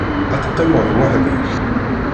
Ad teqqimeḍ weḥd-k.